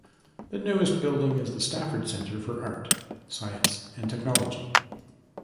The newest building is the Stafford Center for Art, Science and Technology.